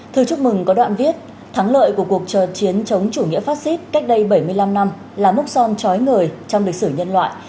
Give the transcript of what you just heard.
thư chúc mừng có đoạn viết thắng lợi của cuộc chiến chống chủ nghĩa phát xít cách đây bảy mươi năm năm là mốc son trói ngời trong lịch sử nhân loại